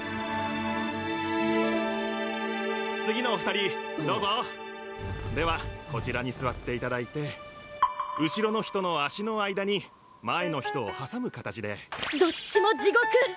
次のお二人どうぞではこちらに座っていただいて後ろの人の足の間に前の人を挟む形でどっちも地獄！